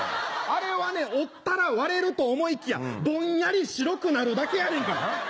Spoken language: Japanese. あれはね折ったら割れると思いきやぼんやり白くなるだけやねんから。